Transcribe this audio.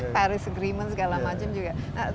paris agreement segala macam juga